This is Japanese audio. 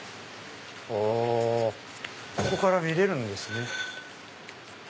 ここから見れるんですね。